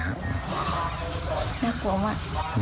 น่ากลัวมาก